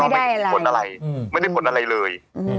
ไม่ได้ผมอะไรเลย